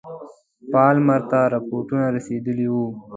پالمر ته رپوټونه رسېدلي وه.